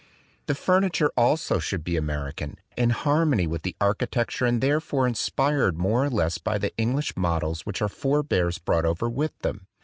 The furniture also should be American, in harmony with the architecture and therefore inspired more or less by the English models which our forebears brought over with them.